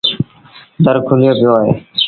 در کليو پيو اهي